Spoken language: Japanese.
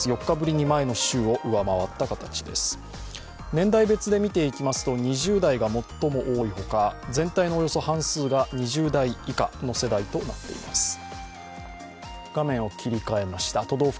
４日ぶりに前の週を上回った形です年代別で見ていきますと２０代が最も多い他全体のおよそ半数が２０代以下の世代となっています。